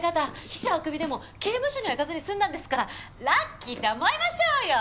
秘書はクビでも刑務所には行かずに済んだんですからラッキーと思いましょうよ！